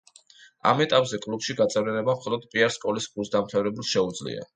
ამ ეტაპზე კლუბში გაწევრიანება მხოლოდ პიარ სკოლის კურსდამთავრებულს შეუძლია.